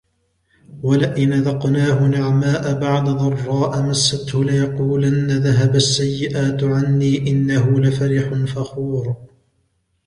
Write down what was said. وَلَئِنْ أَذَقْنَاهُ نَعْمَاءَ بَعْدَ ضَرَّاءَ مَسَّتْهُ لَيَقُولَنَّ ذَهَبَ السَّيِّئَاتُ عَنِّي إِنَّهُ لَفَرِحٌ فَخُورٌ